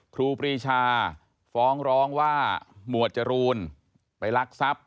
ครูปรีชาฟ้องร้องว่าหมวดจรูนไปลักทรัพย์